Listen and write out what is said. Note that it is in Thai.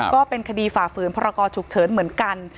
ก็เป็นคดีฝ่าฝืนพรกรฉุกเฉินเหมือนกัน